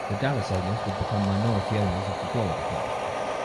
The Dallas owners would become minority owners of the Florida club.